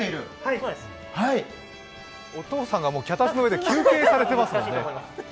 お父さんが脚立の上で休憩されてますもんね。